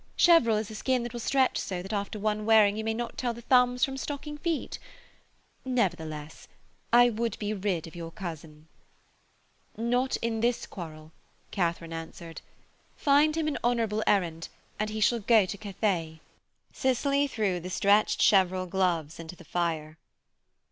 Cheverel is a skin that will stretch so that after one wearing you may not tell the thumbs from stocking feet. Nevertheless, I would be rid of your cousin.' 'Not in this quarrel,' Katharine answered. 'Find him an honourable errand, and he shall go to Kathay.' Cicely threw the stretched cheverel glove into the fire.